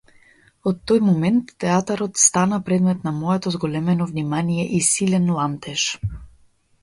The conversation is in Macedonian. Од тој момент театарот стана предмет на моето зголемено внимание и силен ламтеж.